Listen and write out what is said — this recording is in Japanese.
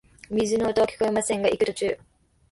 水の音はきこえませんが、行く途中、